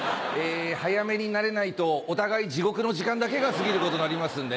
早めに慣れないとお互い地獄の時間だけが過ぎることになりますんでね。